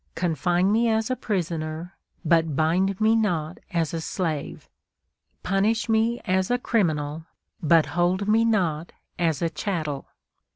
Confine me as a prisoner, but bind me not as a slave. Punish me as a criminal, but hold me not as a chattel.